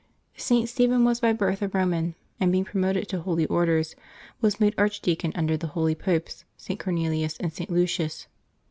[t. Stephen was by birth a Eoman, and, being pro moted to holy orders, was made archdeacon under the holy Popes St. Cornelius and St. Lucius.